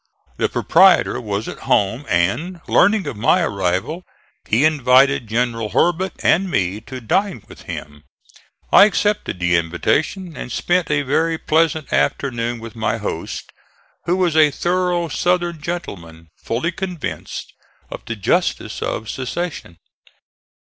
The proprietor was at home and, learning of my arrival, he invited General Hurlbut and me to dine with him. I accepted the invitation and spent a very pleasant afternoon with my host, who was a thorough Southern gentleman fully convinced of the justice of secession.